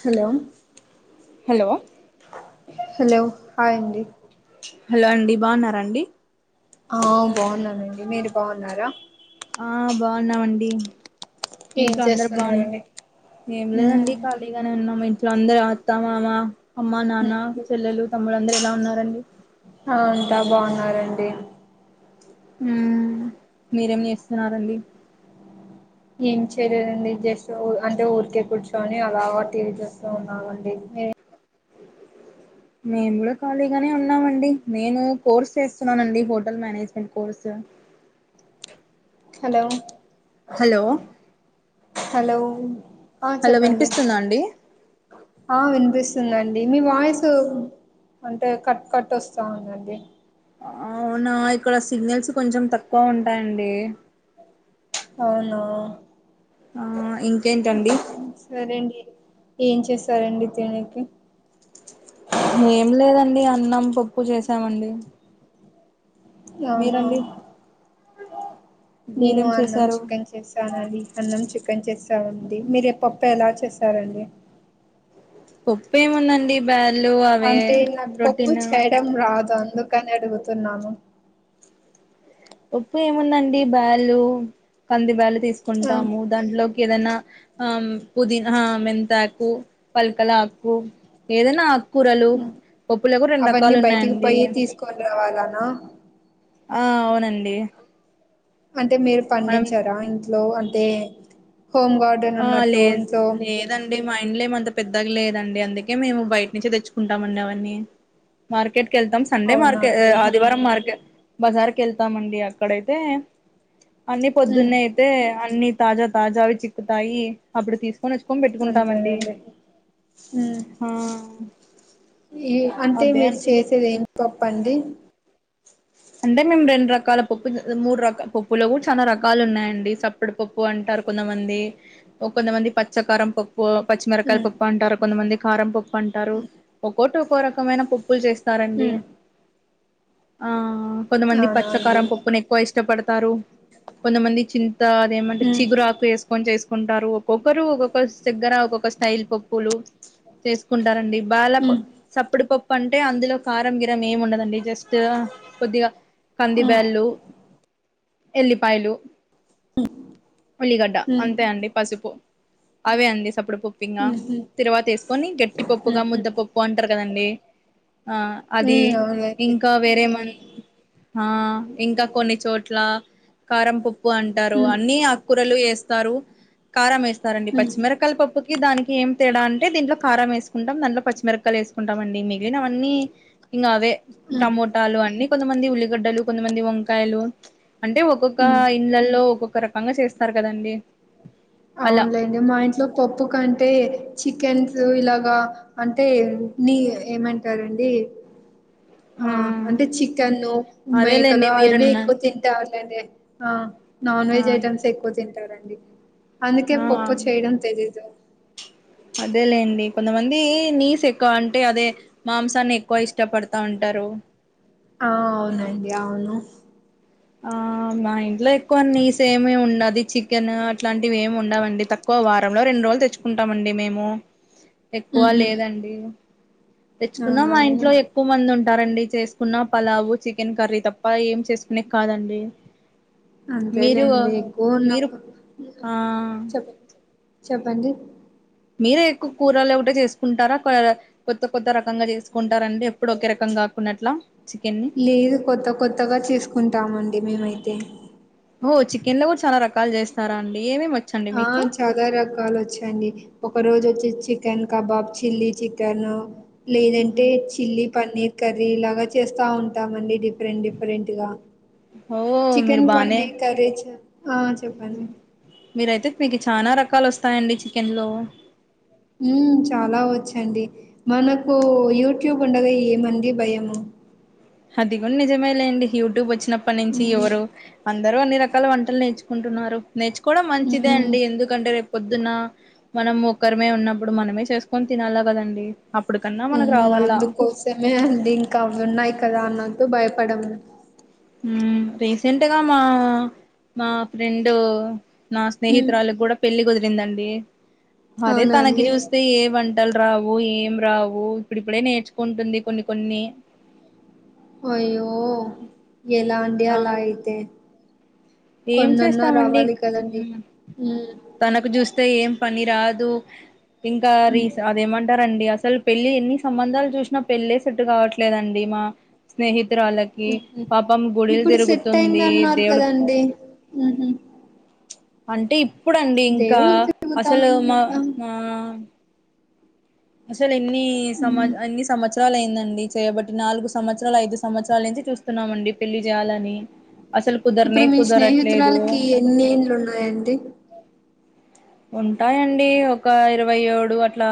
Hello hello hello hi అండి hello అండి బాగున్నారండీ ఆ బాగున్నానండి మీరు బాగున్నారా ఆ బాగున్నామండి ఏం ఇంట్లో అందరు బాగు చేస్తున్నారండి ఏం లేదండి కాళిగా నే ఉన్నాము ఇంట్లో అందరూ అత్త మామ అమ్మ నాన్న చెల్లెలు తమ్ములు అందరూ ఎలా ఉన్నారండి ఆ అంతా బాగున్నారండి ఉ మీరేం చేస్తున్నారండి ఏం చేయలేదండి జస్ట్ అంటే ఊరికే కూర్చొని అలాగా టీవీ చూస్తూ ఉన్నామండి మేము కూడా ఖాళీగానే ఉన్నామండి నేను కోర్స్ చేస్తున్నానండి hotel management course hello hello hello ఆ హలో చెప్పండి వినిపిస్తుందా అండి ఆ వినిపిస్తుందండి మీ వాయిసు అంటే కట్ కట్ వస్తా ఉన్నది అవునా ఇక్కడ సిగ్నల్స్ కొంచెం తక్కువ ఉంటాయండి అవునా ఆ ఇంకేంటండి సరేండి ఏం చేస్తారండి తినేకి ఏం లేదండి అన్నం పప్పు చేసామండి అవునా మీరండి మీరేం చేశారు చేసానండి అన్నం చికెన్ చేసానండి మీరే పప్పు ఎలా చేసారండి పప్పు ఏముందండి బ్యాలు అవే అంటే నాకు పప్పు రోటీన్ చేయడం రాదు అందుకనే అడుగుతున్నాము ఉప్పు ఏముందండి బ్యాలు కంది బ్యాలు ఆ తీసుకుంటాము దాంట్లోకి ఏదైనా అమ్ పుదీనా అహ మెంతకు పలకాలకు ఏదన్న కూరలు హ్మ్. పప్పులకు రెండు రకాలు ఉన్నాయండి కొన్ రావాలనా ఆ అవునండి అంటే మీరు మనం పండించరా ఇంట్లో అంటే హోమ్ గార్డెన్ ఆ ఉన్నట్టు లేదు ఇంట్లో లేదండి మా ఇండ్లు ఏమంత పెద్దగా లేదండి అందుకే మేము బయట నుంచే తెచ్చుకుంటామండి అవన్నీ మార్కెట్కి వెళ్తాం సండే అవునా మార్కె అండి ఆదివారం మార్కె బజార్ కి వెళ్తామండి అక్కడైతే. అన్ని ఉమ్ పొద్దున్నే అయితే అన్ని తాజా తాజావి చిక్కుతాయి అప్పుడు తీస్ కొనుకోచ్చుకొని పెట్టుకుంటామండి అంతేనండి ఉమ్ ఆ ఈ అంటే అదే మీరు అండి చేసేది ఏం పప్పండి అంటే మేము రెండు రకాల పప్పు మూడు రక పప్పులో కూడా చాలా రకాలు ఉన్నాయండి సప్ ప్పుడు పప్పు అంటారు కొంతమంది కొంతమంది పచ్చకారం పప్ పు పచ్చిమిరకాయ ఉమ్ పప్పు అంటారు కొంతమంది కారం పప్పు అంటారు ఒక్కొటి ఒక్క రకమైన పప్పులు చేస్ తారండి. ఉమ్ ఆ కొంతమంది అవునా అండి పచ్చకారం పప్పును ఎక్కువ ఇష్టపడతారు కొంతమంది చిన్ తా అదేమంటే ఉమ్ చిగురాకు ఎస్ కోన్ చేసుకుంటారు ఒక్కొక్కరు ఒక్కొక్క దగ్గర ఒక్కొక్క స్టైల్ పప్పులు చేసుకుంటారండి బాల ఉమ్ సప్పుడిపప్పు అంటే అందులో కారం గిరం ఏమి ఉండదం తా కొద్దిగా కంది ఉమ్ బ్యాలు ఎల్లిపాయలు ఉల్లిగడ్డ అంతే అండి పసుపు అవే అండి సప్పుడు పప్పు ఇంగ అవునులేండి తిరువాత వేసుకొని గట్టిపప్పుగా ముద్దపప్ పాంటారు కదండి ఆ అది ఇంగ వేరే మన్ ఆ ఇంకా కొన్ని చోట్ల కారం పప్ ప్పు అంటారు అన్ని అకురలు వేస్తారు కారం వేస్తారండి పచ్చిమిర్ [unintelligible] పప్పుకి దానికి ఏం తేడా అంట దీంట్లో కారం వేసుకుంటాం దాంలో పచ్చిమిరకాయలు వేసుంటాం అండి మిగిలిన అవన్నీ ఇంగ అవే టమోటాలు అన్ని కొంతమంది ఉల్లిగడ్డలు కొంతమంది వంకాయలు అంటే ఒక్కొక్క ఇండ్లలలో ఒక్కొక్క రకంగా చేస్తారు కదండి అలా అవునులేండి మా ఇంట్లో పప్పు కంటే చికెన్స్ ఇలాగా అంటే నీ ఏమంటారండి [inaudible] ఆ అంటే చికెన్ను, మేకలు అదేలేండి అవే మీరున్న ఎక్కువ తింటార్లేండి. ఆ నాన్ ఆ వెజ్ ఐటెమ్స్ ఎక్కువ తింటారండి. అందుకే పప్పు ఆ చేయడం తెలీదు. అదేలేండి కొంతమంది నీస్ ఎక్ క్వ అంటే అదే మాంసాన్ని ఎక్కువ ఇష్టపడతా ఉంటారు. ఆ అవునండి అవును. ఆ మా ఇంట్ల ఎక్కువ నీస్ ఏమి ఉండదు చికెన్ అట్లాంటివి ఏమి ఉండవండి తక్ క్వ వారంలో రెండు రోజులు తెచ్చుకుంటామండి మేము ఎక్కువ హుహు. లేదండి. తెచ్చుకున్నా మా ఇంట్లో అవునవును ఏక్ కువ మంది ఉంటారండి చేసుకున్న పలావు చికెన్ కర్రీ తప్ప ఏం చేసుకునేక్ కాదండి. మీరు ఆ అంతేలేండి ఎక్కువ మీరు ఉన్నప్పుడు ఆ చెప్ చెప్పండి. మీరే ఎక్కువ కూరలు ఒకటే చేసుకుంటారా కోవెల కొత్త కొత్త రకంగా చేసుకుంటారా అండి, ఎప్పుడు ఒకే రకంగా కాక్కునట్లా? లేదు కొత్త కొత్తగా చేసుకుంటామండి మేమైతే. ఓ చికెన్ ల కూడ చాలా రకాలు చేస్తారా అండి ఏమేం వొ ఆ చ లా రకాలు వచ్చండి. ఒక రోజు వచ్చి చికెన్ కబాబ్ చిల్లీ చికెను లేదంటే చిల్లీ పన్నీర్ కర్రీ ఇలాగా చేస్తా ఉంటామండి డిఫరెంట్ డిఫరెంట్ గా. ఓ మీరు చికెన్ బానే వన్నీ కరేజ్ ఆ చెప్పండి మీరయితే మీరు చాన రకాలు వస్తాయండి చికెన్లో. ఉ చాలా వచ్చండి. మనకు యూట్యూబ్ ఉండగా ఏమండి భయము. అది కూడ్ నిజమే లేండి యూట్యూబ్ వచ్చినప్పటి నుంచి మ్మ్ ఎవరు అ అందరు అన్ని రకాల వంటలు నేర్చుకుంటున్నారు. నేర్చుకోవడం మంచిదే మ్మ్ అండి ఎందు కంటే రేప్ పొద్దునా మనం ఒక్కరిమే ఉన్నప్పుడు మనమే చేసుకొని తినాల కదండి. అప్పుడు కన్నా మనకు రావల్ల. తమే అంది ఇంకా అవి ఉన్నాయి కదా అన్నట్టు భయపడం. ఉ రీసెంట్గా మా మా ఫ్రెండు నా ఉమ్ స్నేహితురాలుకి కూడ పెళ్లి కుదిరిందండి. అదే అవునా తనకి అండి చూస్తే ఏవన్ ల్ రావు ఏం రావు ఇప్పుడు ఇప్పుడే నేర్చుకుంటుంది కొన్ని కొన్ని అయ్యో ఎలా అండి ఆ అలా అయితే ఏం కొన్నన్నా చేస్తామండి రావాలి ఉ కదండి హ్మ్ తనకు చూస్తే ఏం పని రాదు, ఇంకా రీస్ అదేమంటారండి అసల్ పెళ్ళి ఎన్ని సంబంధాలు చుస్నా పెళ్ళే సెట్టు కావట్లేదండి మా స్నేహితురాళ కి ఊహూ పాపం గుడిలు ఇప్పుడు తిరుగుతుంది దేవుడు ఉహు అంటే ఇప్పుడుండి ఇంకా దేవుడుకి తిరుగుతా అసలు ఉంది మా కదా మా అసలు ఎన్ని సమా హ్మ్ ఎన్ని సమాచ్ త్రాలు అయిందండి చేయబట్టి, నాలుగు సంవత్సరాలు ఐదు సంవత్సరాలు నుంచి చూస్తున్నామండి పెళ్లి చేయాలని అసలు కుదరనే ఇప్పుడు మీ కుదరట్లేదు. స్నేహితురాలకి ఎన్ని ఇంలు ఉన్నాయండి? ఉంటాయండి ఒక ఇరవై ఏడు అట్లా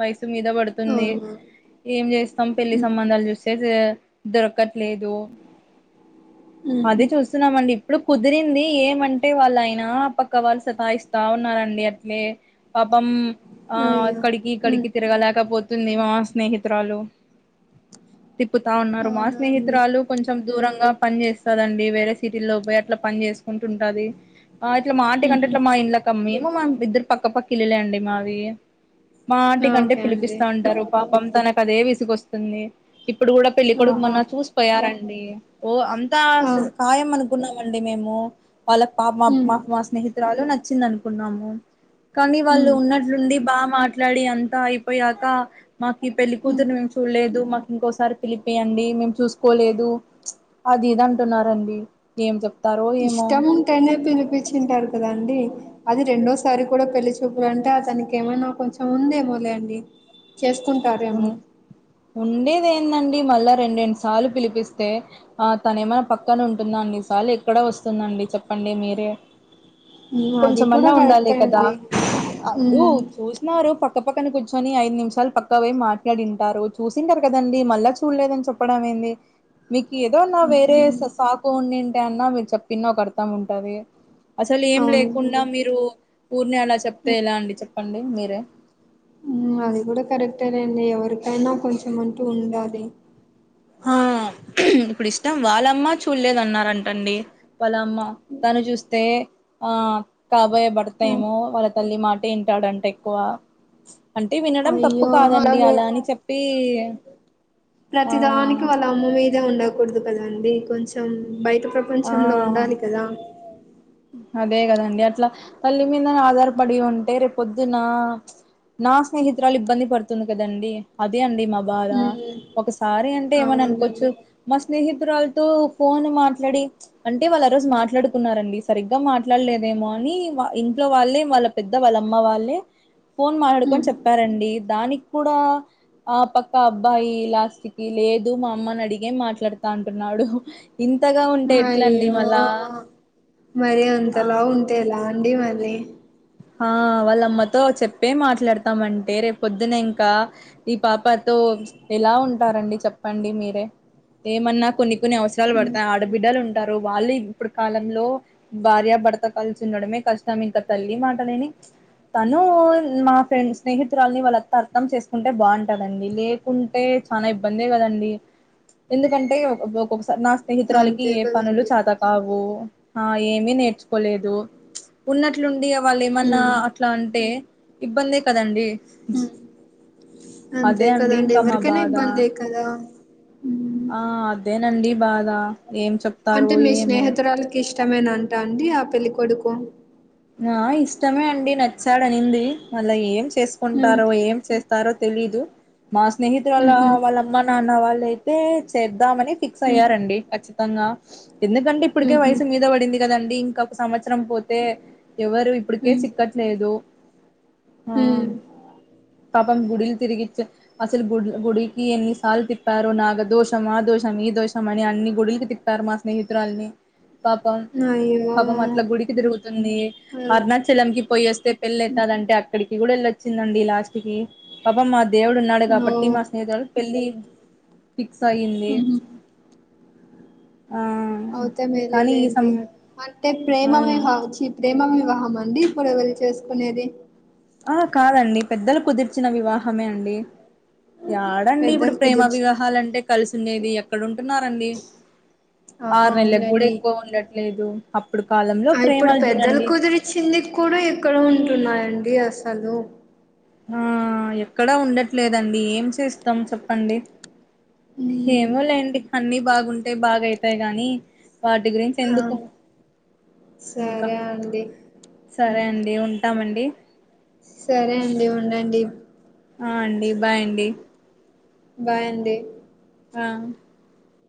వయసు మీద పడు ఉంది అవునా ఏం చేస్తం పెళ్లి ఊహూ సంబంధాలు చూస్ తెసుదొరకట్లేదు అదే ఊహూ చూస్తున్నాం అండి ఇప్పుడు కుదిరింది ఏమంటే వాళ్ళయినా పక్క వాళ్ళు సతాయిస్తా న్నారండి అట్లే పాపం ఆ అయ్యో అక్కడికి హ్మ్ ఇక్కడికి తిరగలేకపో తుంది మా స్నేహితురాలు తిప్పుతా ఉన్నారు మా అవునా అండి స్నేహితురాలు కొంచెం దూరంగా పని చేస్తాదండి వేరే సిటీల్లో పోయి అట్ల పని చేసుకుంటు ఉంటాది ఆ ఇట్ల మా ఆంటి కంటే ఊహూ ఇట్ల మా ఇండ్ల కి అమ్మేమో ఇద్దరు పక్కపక్క ఇల్లులే అండి మావి మా ఆంటికంటే ఓకే అండి పిలిపిస్తా ఉంటారు పాపం తనకు అదే విసుకొస్తుంది ఇప్పుడు కూడా పెళ్ళికొడుకు ఓహో మోన్న చూసిపోయారండి ఓ అంతా ఆ ఖాయం అనుకున్నామండి మేము వాళ్ళ పాప హ్మ్ మా మా స్నేహితురాలు నచ్చింది అనుకున్నాము కానీ వాళ్ళు హ్మ్ ఉన్న ట్లుండి బాగ మాట్లాడి అంతా అయిపోయాక మాకు ఈ పెళ్లి హ్మ్ కూతురు మేము చూడలేదు మా ఇంకోసారి పిలి పీయండి మేము చూసుకోలేదు అది ఇది అంటున్నారంండి ఏం చెప్తారో ఏమో తనే పిలిపించి ఉంటారు కదా అండి అది రెండోసారి కూడా పెళ్లి చూపులు అంటే అతనికి ఏమైనా కొంచెం ఉందేమోలే అండి చేసుకుంటారేమో ఉండేది ఏందండి మళ్ళా రెండెండు సార్లు పిలిపిస్తే ఆ తనే ఏమైన పక్కన ఉంటుందా అండి అన్ని సార్లు ఎక్కడ వస్తుందండి చెప్పండి మీరే హ్మ్ అది కూడా కొంచెమన్నా ఉండాలి కరెక్టే కదా అండి అప్పుడు హ్మ్ చూసె న్నారు పక్క పక్కన కూర్చొని ఐదు నిమిషాలు పక్క ఇక్కవే మాట్లాడి ఉంటారు చూసింటారు కదండి మళ్ళా చూడలేదని చెప్పడం ఏంది మీకు ఏదోన్నా వేరే హ్మ్ సాకు ఉండి ఉంటే అన్న మీరు చెప్పినా ఒక అర్థం ఉంటది అసలు ఏం లేకుండా అవునండి మీరు ఊర్నె అలా చెప్తే హ్మ్ ఎలా అండి చెప్పండి మీరే అది కూడా కరెక్టేలె అండి ఎవరికైనా కొంచెం అంటూ ఉండాలి ఆ ఇప్పుడు ఇష్టం వాళ్ళమ్మ చూడలేదు అన్నారంట అండి వాల్ల అమ్మ తను చూస్తే ఆ కాబోయె భర్త హ్మ్. ఏమో వాళ్ళ తల్లి మాట వింటాడంట ఎక్కువ అంటే వినడం తప్పు అయ్యో కాదండి అలాగే అలా అని చెప్పి ఆ ప్రతిదానికి వాళ్ళ అమ్మ మీదే ఉండకూడదు కదా అండి కొంచెం బయట ప్రప పంచంలో ఆ ఉండాలి కదా అదే కదండి అట్ల తల్లి మీదనే ఆధారపడి ఉంటే రే పొద్దునా నా స్నేహితురాలు ఇబ్బంది పడుతుంది కదండి అదే అండి మా బాధా ఉమ్ ఒకసారి అంటే ఏమన్న అనుకోవచ్చు అవునండి మా స్నేహితురాలితో ఫోన్ మాట్లాడి అంటే వాళ్ళు ఆ రోజు మాట్లాడుకున్నారండి సరిగ్గ మాట్లాడలేదేమో అని వా ఇంట్లో వాళ్ళే వాళ్ళ పెద్ద వాళ్ళ అమ్మ వాళ్ళే ఫోన్ మాట్లాడుకో ఉమ్ చెప్పారండి దానికి కూడా ఆ పక్క అబ్బాయి లాస్ట్ కి లేదు మా అమ్మని అడిగే మాట్లాడుతా అంటున్నాడు ఇంతగా ఉంటే ఎట్ల అండి అయ్యో మల్ళ మరి అంతలా ఉంటే ఎలా అండీ మరి ఆ వాళ్ళ అమ్మతో చెప్పే మాట్లాడతామంటే రేపు పొద్దున ఇంకా ఈ పాపతో ఎలా ఉంటారంండి చెప్పండి మీరే ఏమన్నా కొన్ని కొన్ని అవసరాలు ఉమ్, పడతాయ్ ఆడబిడ్డలు ఉంటారు వాళ్ళు ఇప్పుడు కాలంలో భార్య భర్త కలిసి ఉండడమే కష్టం ఇంకా తల్లి మాటలు విని తను మా ఫ్రెండ్ స్నేహితురాల్ని వాళ్ళ అత్త అర్థం చేసుకుంటే బాగుంటదండి లేకుం టే చాన ఇబ్బందిే కదా అండి ఎందుకంటే ఒొక్కసారి నా స్నేహితురాలకి అంతే ఏ పనులు కదండి చత కావు ఆ ఏమి నేర్చుకోలేదు ఉన్నట్లుండి వాళ్ళు ఏమన్నా ఉమ్ అట్ల అంటే ఇబ్బందే కదండి ఉమ్, అంతే అదే అండి కదండి ఇంకా మా ఎవరికైనా బాధ ఇబ్బందే కదా ఉమ్, ఆ అదేనండి బాధ ఏం చెప్ అంటే మీ స్నేహితురాలకి ఇష్టమేనంట అండి ఆ పెళ్ళికొడుకు ఆ ఇష్టమే అండి నచ్చాడనింది మళ్ళ ఏం ఉహు చేసుకుంటారో ఏం చేస్ ారో తెలీదు మా స్నేహితురాల ఉహు వాళ్ళ అమ్మ నాన్న వాళ్ళయితే చేద్దామని ఫిక్స్ ఉమ్, అయ్యారండి ఖచ్చితంగా ఎందుకంటే ఇప్పటికే ఉహు వయసు మీద పడింది కదండి ఇంకా ఒక సంవత్సరం పోతే ఎవరు ఇప్పటికే ఉమ్ చిక్క లేదు ఆ ఉమ్. పాపం గుడిలు తిరిగిచ్చ అసలు గు గుడికి ఎన్ని సార్లు తిప్పారో నాగదోషం ఆ దోషం ఈ దోషం అని అన్ని గుడులికి తిప్ ారు మా స్నేహితురాల్ని పాపం అయ్యో పాపం అట్ల గుడికి తిరుగుతుంది అరుణాచలం కి పోయేస్తే పెళ్ళి అయితాది అంటా అక్కడికి కూడా వెళ్ళొచ్చిందండి లాస్ట్ కి పాపం మా దేవుడు ఉన్నాడు కాబట్టి మా స్నేహితుడు పెళ్ళి ఫిక్స్ అయింది ఆ అవుతే మేలే కానీ ఈ సమ లేండి అంటే ప్రేమమే ఆ మావొచ్చి ప్రేమ వివాహమా అండి ఇప్పుడు చేసుకునేది ఆ కాదండి పెద్దలు కుదిర్చిన వివాహమే అండి యాడండి ఇప్పుడు పెద్దలు ప్రేమ కుదిర్చి వివాహాలు అంటే కలిసి ఉండేది ఎక్కడ ఉంటున్నారండి ఆ ఆరు నెలలకు కూడా అవునులేండి ఎక్కువ ఉండట్లేదు అప్పుడు కాలంలో ప్రేమలు చూడండి చిందికి కూడా ఎక్కడ ఉంటున్నాయండి అసలు ఆ ఎక్కడా ఉండట్లేదండి ఏం చేస్తాం చెప్పండి ఉమ్ ఏమో లేండి అన్ని బాగుంటే బాగయితాయి గానీ వాటి గురించి ఆ ఎందుకు ఇంక సరే అండి సరే ఉమ్ అండి ఉంటామండి సరే అండి ఉండండి ఆ అండి బాయ్ అండి బాయ్ అండి ఆ